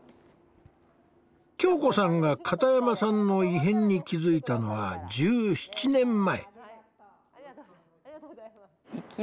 恭子さんが片山さんの異変に気付いたのは１７年前。